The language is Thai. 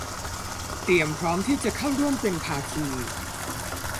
เตรียมพร้อมที่จะเข้าร่วมเป็นภาคี